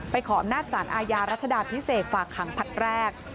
ขออำนาจสารอาญารัชดาพิเศษฝากขังผลัดแรก